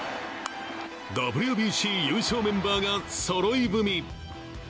ＷＢＣ優勝メンバーがそろい踏み。